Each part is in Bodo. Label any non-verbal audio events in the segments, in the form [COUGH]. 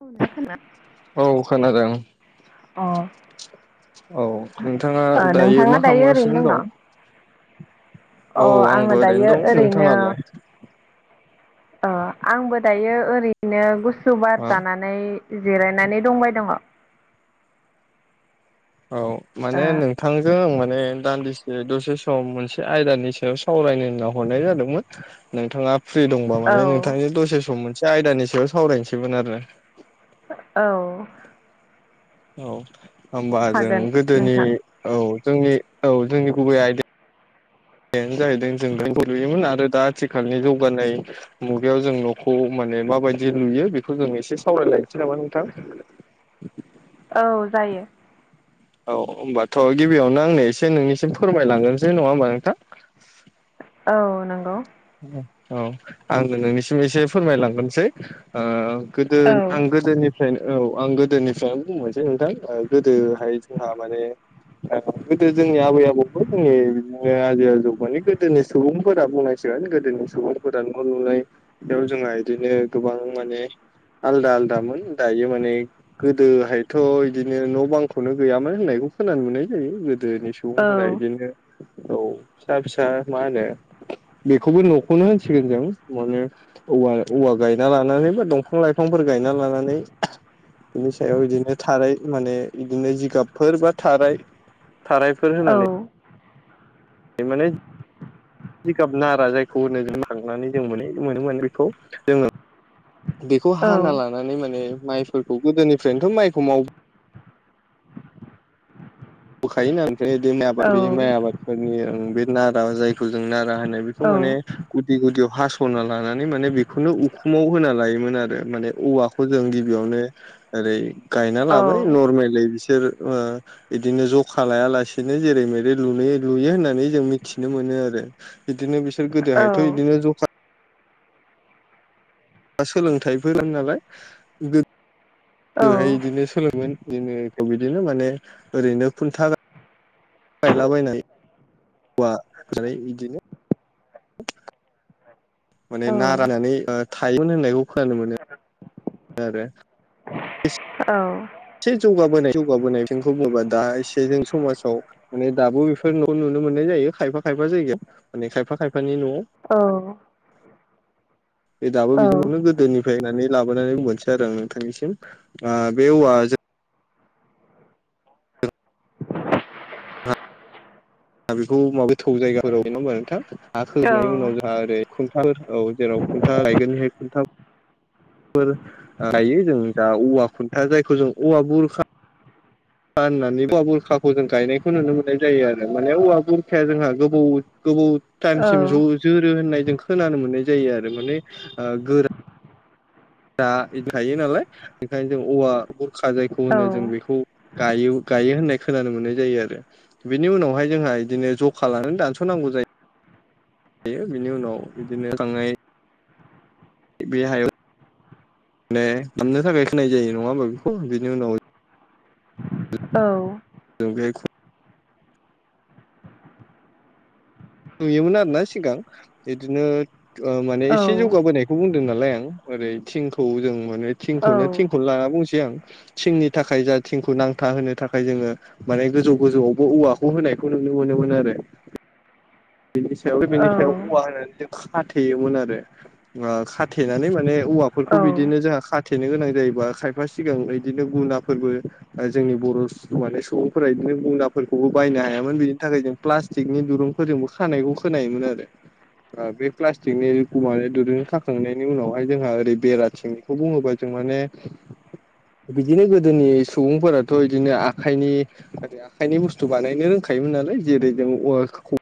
[UNINTELLIGIBLE] खोना औ खोनादों औ नोंथाङा अ मा नोंथाङा दायो खालामगासिनो ओरैनो दं न'? अ औ आंबो आङो ओरैनो दायो दं ओरैनो नोंथाङालाय आंबो दायो ओरैनो गुसु बार मा जानानै जिरायनानै दंबाय दङ औ माने नोंथां जों आं माने दान्दिसे दसे सम मोनसे आयदानि सायाव सावरायनो होनना हरनाय जादोंमोन नोंथाङा फ्रि दंबा औ माने नोंथांनि दसे सम मोनसे आयदानि सायाव सावरायनोसैमोन आरो औ औ होमबा जों हागोन गोदोनि नोंथां औ जोंनि औ जोंनि गुबै आयदा यानो जाहैदों जों [UNINTELLIGIBLE] लुयोमोन आरो दा आथिखालनि जौगानाय मुगायाव जों न'खौ माने माबायदि लुयो बेखौ जों एसे सावरायलायनोसै नामा नोंथां औ जायो औ होमबाथ' गिबियावनो आंनो एसे नोंनिसिम फोरमायलांगोरनोसै नङा होमबा नोंथां औ नोंगौ औ आंनो नोंनिसिम एसे फोरमायलांगोरनसै गोदो औ आं गोदोनि फ्रायनो औ आं गोदोनिफ्रायनो बुंनोसै नोंथां गोदोहाय जोंहा माने गोदो जोंनि आबै आबौफोर जोंनि बिदिनो आजै आजौ मानि गोदोनि सुबुंफोरा बुंनाय मिथिगोन गोदोनि सुबुंफोरा न' लुनायाव जोंहा इदिनो गोबां माने आलादा आलदामोन दायो माने गोदोहायथ' इदिनो न' बांखौनो गैयामोन होननायखौ खोनानो मोननाय जायो गोदोनि सम औ सुबुंफोरा बिदिनो औ फिसा फिसा मा होनो बेखौबो न'खौनो होनसिगोन जों माने औवा औवा गायना लानानै बा दंफां लाइफांफोर गायना लानानै इनि सायाव इदिनो थाराय माने बिदिनो जिगाबफोर बा थाराय थारायफोर औ होनानै माने जिगाब नारा जायखौ होनो जों माइ खांनानै जों मोनो मोनोमोन बेखौ जोङो बेखौ औ हाना लानानै माने माइफोरखौ गोदोनिफ्रायनोथ' माइखौ माव होखायोना ओमफ्राय बे औ आबाद बे माइ आबादफोरनि बे नारा जायखौ जों नारा होनो बेखौ माने गुदि गुदियाव हास'ना लानानै माने बेखौनो उखुमाव होना लायोमोन आरो माने औवाखौ खौ जों गिबियावनो ओरै गायना औ लाबाय नरमेलै बिसोर बिदिनो जखा लायालासेनो जेरै मेरै लुनो लुयो होननानै जों मिथिनो मोनो आरो बिदिनो बिसोर गोदोहायथ' बिदिनो ज सोलोंथाइफोर नालाय औ गोदोहाय इदिनो सोलोङोमोन इदिनो बिदिनो माने ओरैनो खुनथा गायलाबायनाय औवाजोंहाय बिदिनो औ माने नारायनानै थायोमोन होननायखौ खोनानो मोनो आरो औ एसे जौगाबोनाय जौगाबोनाय बिथिंखौ बुङोबा दा एसे जों समाजाव माने दाबो बेफोर न'आव नुनो मोननाय जायो खायफा खायफा जायगायाव माने खायफा खायफानि न'आव औ बे दाबो बिदिनो गोदोनिफ्राय होननानै लाबोनानै बुंसै आरो आं नोंथांनिसिम बे औवाजों दा बेखौ मा गोथौ जायगाफोराव गायनांगौ आरो नोंथां हा खोनायनि उनाव जोंहा ओरै खुन्थाफोर औ जेराव खुन्था गायगोन बे खुन्था फोरा गायो जों जा औवा खुन्था जायखौ जों औवा बुरखा होननानै औवा बुरखाखौ जों गायनायखौ नुनो मोननाय जायो आरो माने औवा बुरखाया जोंहा गोबौ गोबौ टाइमसिम ज जोरो होननाय जों खोनानो मोननाय जायो आरो माने गोरा दा इदि थायो नालाय ओंखायनो जों औवा बुरखा जायखौ होनो जों बेखौ गायो गायो होननाय खोनानो मोननाय जायो आरो बिनि उनावहाय जोंहा बिदिनो जखा लानानै दानस'नांगौ जायो थायो बिनि उनाव बिदिनो थांनाय बे हायाव ने हामनो थाखाय खोनाय जायो नङा होनोबा बेखौ बिनि उनाव औ जों बे नुयोमोन आरो ना सिगां बिदिनो माने औ एसे औ जौगाबोनाय बेखौ बुंदों नालाय आं ओरै थिंखौ जों माने औ थिंखौनो थिंखौनो लाना बुंसै आं थिंनि थाखाय जा थिंखौ नांथा होनो थाखाय जोङो माने गोजौ गोजौयावबो औवाखौ होनायखौ नुनो मोनोमोन आरो बेनि सायावबो औ बिनि सायाव औवा होनानै जों खाथेयोमोन आरो खाथेनानै माने औवाफोरखौ बिदिनो जोंहा खा थेनो गोनां जायोबा खायफा सिगां बिदिनो गुना फोरबो जोंनि बर' माने सुबुंफोरा बिदिनो गुनाफोरखौबो बायनो हायामोन बेनि थाखाय जों प्लास्टिकनि दुरुंफोरजोंबो खानायखौ खोनायोमोन आरो ओ बे प्लास्टिकनि औवानि दुरुंजों खाखांनायनि उनावहाय जोंहा ओरै बेराथिं खौ बुङोब्ला जों माने बिदिनो गोदोनि सुबुंफोराथ' बिदिनो आखाइनि आरो आखाइनि बुसथु बानायनो रोंखायोमोन नालाय जेरै जों औवाखौ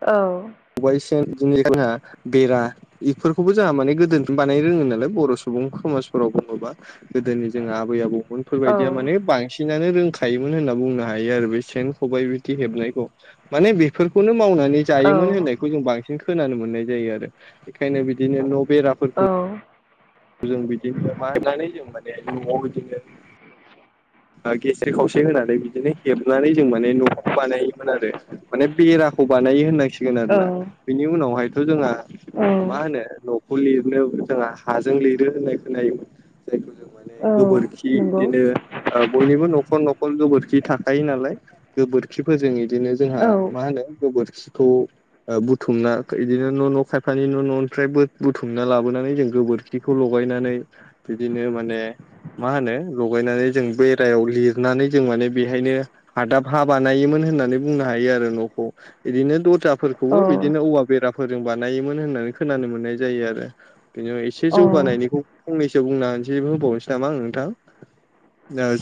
औ खबाइ सेन बिदिनो जोंहा बेरा बेफोरखौबो जोंहा माने गोदोनि बानाय रोङो नालाय बर' सुबुं समाजफोराव बुङोबा गोदोनि जोंहा आबै आबौमोनफोरबायदिया माने बांसिन बांनानो रोंखायोमोन होनना बुंनो हायो आरो बे सेन खबाइ बिदि हेबनायखौ माने बेफोरखौनो मावनानै जायोमोन होननायखौ जों बांसिन खोनानो मोननाय जायो आरो बेखायनो बिदिनो न' बेराफोरखौ औ जों बिदिनो मा होननानै जों माने न'आव बिदिनो गेसेर खावसे होनानै बिदिनो हेबनानै जों माने न'खौ बानायोमोन आरो माने बेराखौ बानायो होननाय ग औ आरोना बिनि उनावहायथ' जोंहा औ मा होनो खौ लिरनो जोंहा हाजों लिरो होननाय खोनायोमोन जायखौ जों माने गोबोरखि बिदिनो ओ बयनिबो न'खर न'खर गोबोरखि थाखायो नालाय गोबोरखिफोरजों इदिनो जोंहा मा होनो गोबोरखिखौ ओ बुथुमना बिदिनो न' न' खायफानि न' न'निफ्राय बुथुमना लाबोनानै जों गोबोर बेखौ लगायनानै बिदिनो माने मा होनो लगायनानै जों बेरायाव लिरनानै जों माने बेहायनो हादाब हा बानायोमोन होननानै बुंनो हायो आरो न'खौ बिदिनो दथा फोरखौबो बिदिनो औवा बेराफोरजों बानायोमोन होननानै खोनानो मोननाय जायो आरो बेनि एसे जौगानायनिखौ फंनैसो बुंनानैसो होबावनोसै नामा आं नोंथां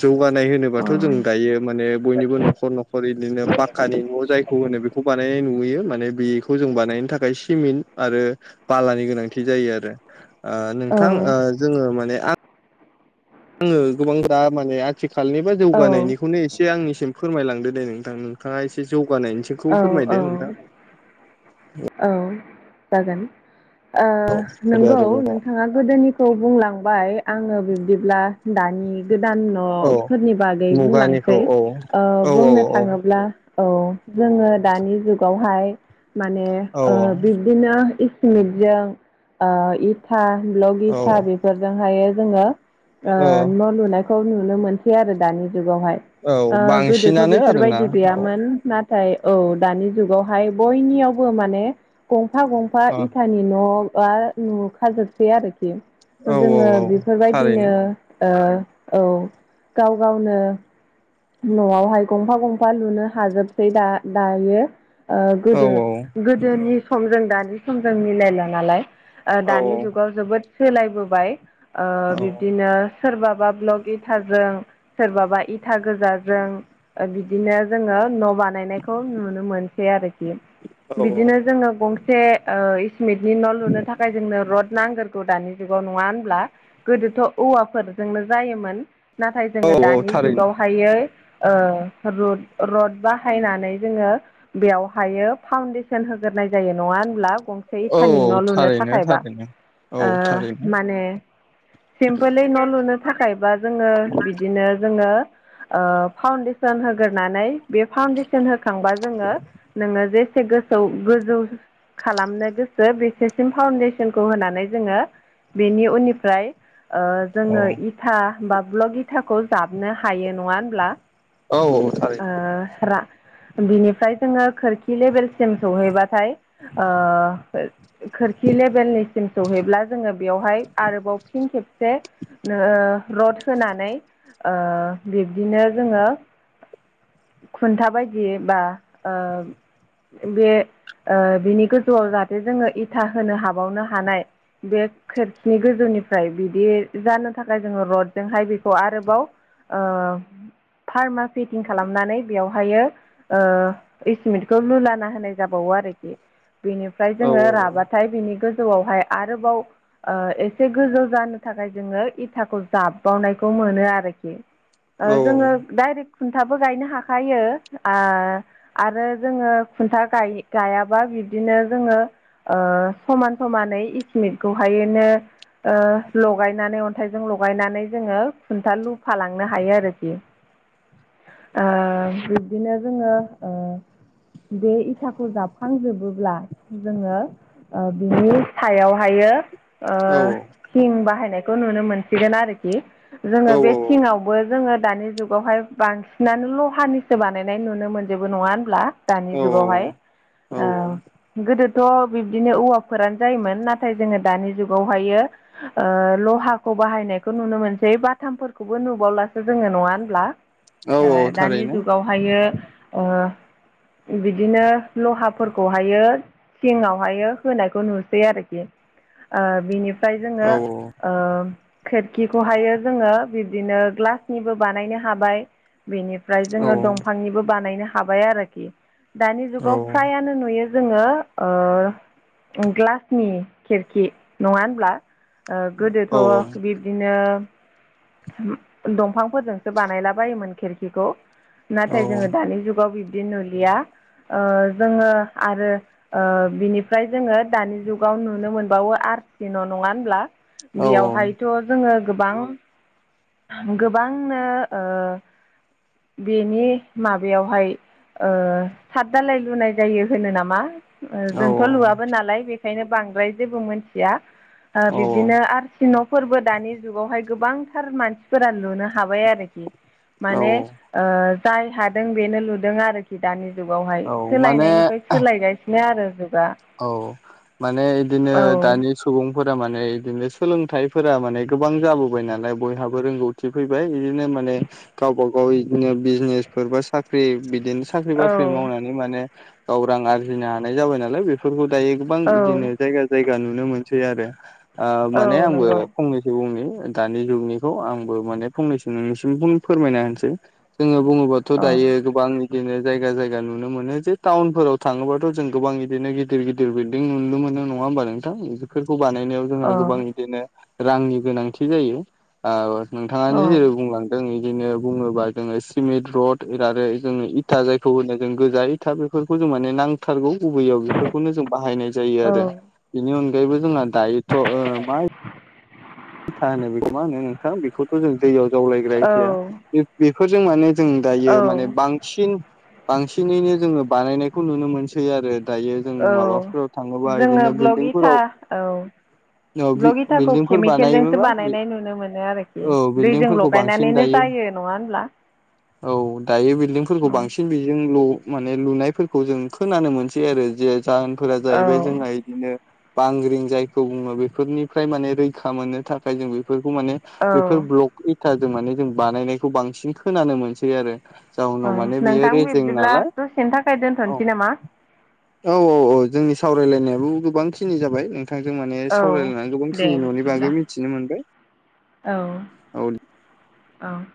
जौगानाय होनोबाथ' जों दायो माने बयनिबो न'खर न'खर बिदिनो फा खानि न' जायखौ होनो बेखौ बानायनाय नुयो माने बेखौ जों बानायनो थाखाय सिमिन्ट आरो बालानि गोनांथि जायो आरो ओ नोंथां ओ जोङो माने आं आङो गोबां दा माने आथिखालनि बा औ जौगानायनिखौनो एसे एसे आंनिसिम फोरमायलांदो दे नोंथां नोंथाङा एसे जौगानायनिसिमखौ फोरमायदो नोंथां औ जागोन ओ होदो नंगौ आरो नोंथां नोंथाङा गोदोनि खौ बुंलांबाय आङो बिब्दिब्ला दानि गोदान औ‌ औ फोरनि बागै मुगानिखौ बुंलांनोसै औ ओ औ औ बुंनो थाङोब्ला औ जोङो दानि जुगावहाय माने औ ओ बेबा बिदिनो इसमिटजों ओ इथा ब्लग औ इथा बे बिफोरजोंहायो जोङो ओ औ न' लुनायखौ नुनो मोनसै आरो दानि जुगावहाय औ ओ गोदोथ' बांसिनानो आरोना बेफोरबायदि औ गैयामोन ना औ दानि जुगावहाय बयनिआवबो माने गंफा गंफा औ इथानि इथानि न' बा नुखाजोबसै आरोखि औ जोङो औ बेफोरबायदिनो थारैनो ओ औ गाव गावनो न'आवहाय गंफा गंफा लुनो हाजोबसै दा दायो ओ औ गोदो गोदोनि समजों दानि समजों मिलायला' नालाय ओ औ दानि जुगाव जोबोद सोलायबोबाय ओ औ बिदिनो सोरबाबा ब्लग इटाजों सोरबाबा इटाजों गोजाजों ओ बिदिनो जोङो न' बानायनायखौ नुनो मोनो मोनसै आरोखि औ बिदिनो जोङो गंसे ओ इसमिटनि न' लुनो थाखाय जोंनो रड नांगोरगौ दानि जुगाव नङा होनब्ला गोदोथ' औवाफोरजोंनो जायोमोन नाथाय औ जोङो औ दानि थारैनो जुगावहायै ओ रथ रड बाहायनानै जोङो बेवहायो फाउन्डेसन होगोरनाय जायो नङा होनब्ला गंसे औ इथानि औ न' लुनो थारैनो थाखायबा थारैनो औ ओ थारैनो माने सिमफोलै न' लुनो थाखायबा जोङो बिदिनो जोङो ओ फाउन्डेसन होग्रोनानै बे फाउन्डेसन होखांबा जोङो नोङो जेसे गोसो गोजौ खालामनो गोसो बेसेसिम फाउन्डेसनखौ होनानै जोङो बेनि उननिफ्राय ओ औ जोङो इथा बा ब्लग इथाखौ जाबनो हायो नङा होनब्ला औ औ ओ थारैनो रा बिनिफ्राय जोङो खोरखि लेभेलसिम सौहैबाथाय ओ खोरखि लेभेलनिसिम सौहैब्ला जोङो बेवहाय आरोबाव फिन खेबसे ओ रड होनानै ओ बिब्दिनो जोङो खुन्था बादि बा ओ बे ओ बिनि गोजौआव जाहाथे जोङो इथा होनो हाबावनो हानाय बे खेरखिनि गोजौनिफ्राय आमफ्राय बिदि जानो थाखाय जोङो रडजोंहाय बेखौ आरोबाव फार्मा फटिं खालामनानै बेवहायो ओ इसमिटखौ लुलाना होनाय जाबावो आरोखि बेनिफ्राय औ जोङो राबाथाय बिनि गोजौआवहाय आरोबाव ओ एसे गोजौ जानो थाखाय जोङो इथाखौ जाबबावनायखौ मोनो आरोखि ओ औ जोङो डाइरेक्ट खुन्थाबो गायनो हाखायो ओ आरो जोङो खुन्था गाय गायाबा बिब्दिनो जोङो ओ समान समानै इसमिटखौहायनो ओ लगायनानै अन्थाइजों लगायनानै जोङो खुन्था लुफालांनो हायो आरोखि [INAUDIBLE] ओ बिब्दिनो जोङो ओ बे इथाखौ जाबखांजोबोब्ला जोङो ओ बिनि सायावहायो ओ थिं बाहायनायखौ नुनो मोनसिगोन आरोखि जोङो बे औ औ थिंआवबो जोङो दानि जुगावहाय बांसिनानो ल'हानि सो बानायनाय नुनो मोनजोबो नङा होनब्ला दानि औ जुगावहाय औ औ ओ गोदोथ' बिब्दिनो औवाफोरानो जायोमोन नाथाय जोङो दानि जुगावहाय ओ ओ लहाखौ बाहायनायखौ नुनो मोनसै बाथामफोरखौबो नुबावलासो जोङो नङा होनब्ला औ औ दानि थारैनो जुगावहायो ओ बिदिनो लहाफोरखौहायो सिङावहायो होनायखौ नुसै आरोखि बिनिफ्राय औ जोङो खोरखिखौहायो जोङो बिब्दिनो ग्लासनिबो बानायनो हाबाय बेनिफ्राय औ जोङो दंफांनिबो बानायनो हाबाय आरोखि दानि औ जुगाव फ्रायानो नुयो जोङो ग्लासनि खिरखि नङा होनब्ला गोदोथ' औ बि बिदिनो दंफांफोरजोंसो बानायलाबायोमोन खिरखिखौ नाथाय जोङो दानि जुगाव बिब्दि नुलिया जोङो आरो बिनिफ्राय जोङो दानि जुगाव नुनो मोनबावो आरखि न' नङा औ बेयावहायथ' जोङो गोबां गोबांनो बेनि माबायावहाय साद दालाय लुनाय जायो होनो नामा औ जोंथ' लुवबो नालाय बेखायनो बांद्राय जेबो मिथिया बिब्दिनो औ आरसि न' फोरबो दानि जुगावहाय गोबांथार मानसिफोरा लुनो हाबाय आरोखि माने जाय हादों बेनो लुदों आरोखि दानि जुगावहाय औ माने सोलायनायनिफ्राय सोलायगासिनो आरो जुगा औ माने इदिनो औ दानि सुबुंफोरा माने इदिनो सोलोंथाइफोरा माने गोबां जाबोबाय नालाय बयहाबो रोंगौ फैबाय इदिनो माने गावबा गाव इदिनो बिजनेसफोर बा साख्रि बिदिनो साख्रि औ बाख्रि मावनानै माने गाव रां आरजिनो हानाय जाबाय नालाय बेफोरखौ दायो गोबां औ इदिनो जायगा जायगा नुनो मोनसै आरो औ माने आंबो नंगौ फंनैसो नि दानि जुगनिखौ आंबो माने फंनैसो नोंनिसिम फोरमायना होनोसै जोङो बुङोबाथ' औ दायो गोबां बिदिनो जायगा जायगा नुनो मोनो जे टाउनफोराव थाङोबाथ' जों गोबां बिदिनो गिद गिदिर गिदिर बिल्डिं नुनो मोनो नङा होमबा नोंथां बेफोरखौ बानायनायाव जोंहा औ गोबां बिदिनो रांनि गोनांथि जायो नोंथाङानो जेरै बुंलां जों बिदिनो बुङोबा जोङो सिमेन्ट रड आरो आरो जोङो इथा जायखौ होनो जों गोजाय खौ जों माने नांथारगौ बबैयाव खौनो जों बाहायनाय जायो औ आरो बेनि अनायैबो जोंहा दायोथ' मा था होनो बेखौ मा होनो नोंथां बेखौथ' जों दैयाव जावलायग्राय थाया बेफोरजों माने जों औ दायो माने बांसिन बांसिनैनो जोङो बानायनायखौ नुनो मोनसै आरो दायो जों औ माबाफोराव थाङोबा जोङो इदिनो ब्लक इथा बिल्दिंफोराव औ औ बि बिल्डिंफोरबा साइकेलजोंसो बानायनाय नुनो मोनो आरोखि दैजों बिल्डिंफोरखौ बांसिन लगायनानैनो दायो जायो नङा होनब्ला औ दायो बिल्डिंफोरखौ औ बांसिन बेजोंल' माने लुनायफोरखौ जों खोनानो मोनसै आरो जे जाहोनफोरा जाहैबाय जोंहा बिदिनो बांग्रिं जायखौ बुङो बेफोरनिफ्राय माने रैखा मोननो थाखाय जों बे बेफोरखौ माने औ बेफोर ब्लक इटाजों माने जों बानायनायखौ बांसिन खोनानो मोनसै आरो जाउनाव औ माने बेयो नोंथां रेजें बिब्दिब्ला नालाय दसेनि थाखाय औ दोनथ'नोसै नामा औ औ औ जोंनि सावरायलायनायाबो गोबां खिनि जाबाय नोंथांजों माने औ सावरायलायनानै गोबांखिनि बागै मिथिनो मोनबाय औ औ औ